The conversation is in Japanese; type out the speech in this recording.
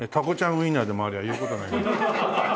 ウインナーでもありゃ言う事ない。